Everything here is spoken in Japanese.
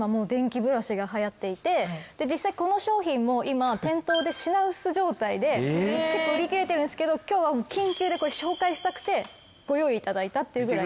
実際この商品も今店頭で品薄状態で結構売り切れてるんですけど今日は緊急でこれ紹介したくてご用意頂いたっていうぐらい。